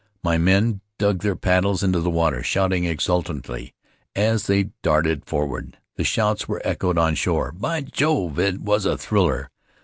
My men dug their paddles into the water, shouting exultantly as we darted forward. The shouts were echoed on shore. By Jove! it was a thriller!